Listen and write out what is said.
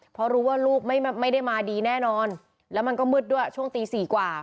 เพราะรู้ว่าลูกไม่ได้มาดีแน่นอนแล้วมันก็มืดด้วยช่วงตี๔กว่า